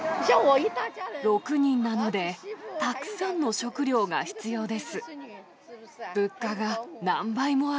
６人なので、たくさんの食料が必要です。